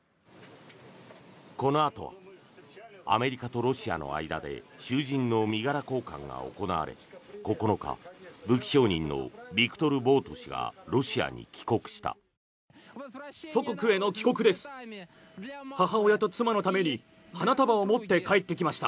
このあとはアメリカとロシアの間で囚人の身柄交換が行われ９日、武器商人のビクトル・ボウト氏がロシアに帰国した。